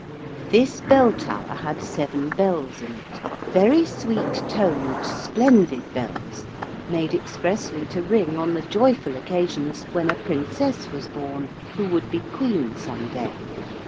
This bell tower had seven bells in it, very sweet toned splendid bells, made expressly to ring on the joyful occasions when a princess was born who would be queen some day.